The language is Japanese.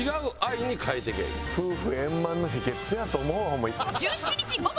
夫婦円満の秘訣やと思うわホンマ。